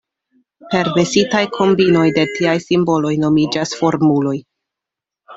Permesitaj kombinoj de tiaj simboloj nomiĝas formuloj.